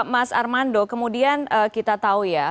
mas armando kemudian kita tahu ya